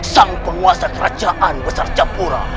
sang penguasa kerajaan besar capura